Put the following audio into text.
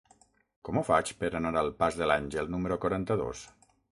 Com ho faig per anar al pas de l'Àngel número quaranta-dos?